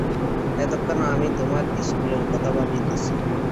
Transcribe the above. এক্ষণে আমি তোমার ইস্কুলের কথা ভাবিতেছি।